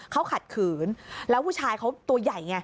เขาขัดขืนแล้วผู้ชายเขาตัวใหญ่ไง